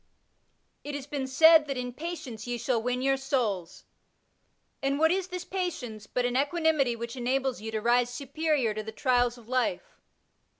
It has been said that ^* in patience ye shall win yonr souls,'* and what is this patience but an equanimity which enables you to rise superior to the trials of life